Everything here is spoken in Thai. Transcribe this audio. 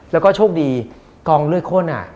และก็โชคดีกล้องเลือกค้น